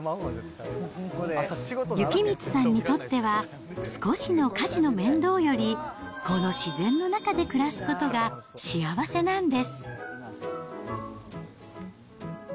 幸光さんにとっては、少しの家事の面倒より、この自然の中で暮らすことが幸せなんです。